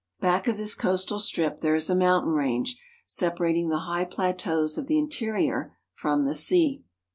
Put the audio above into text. Back of this coastal strip there is a mountain range, sepa rating the high plateau of the interior from the sea.